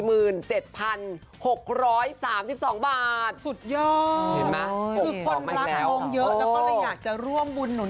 คือคนรักลงเยอะแล้วก็เลยอยากจะร่วมบุญหนุน